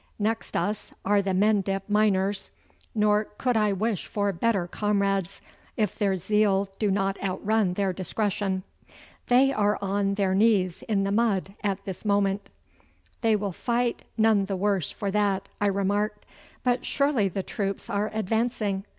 Next us are the Mendip miners, nor could I wish for better comrades, if their zeal do not outrun their discretion. They are on their knees in the mud at this moment.' 'They will fight none the worse for that,' I remarked; 'but surely the troops are advancing!